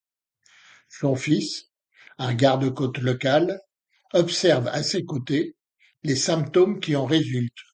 Son fils, un garde-côte local, observe à ses côtés les symptômes qui en résultent.